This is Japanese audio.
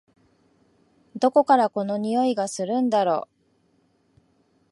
どこからこの匂いがするんだろ？